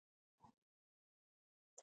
اورګاډی د شپې پر دولس بجې حرکت کاوه.